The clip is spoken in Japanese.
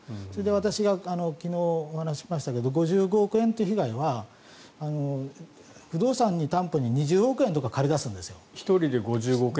私が昨日、話しましたが５５億円という被害は不動産を担保に２０億円とか借り出すんですよ。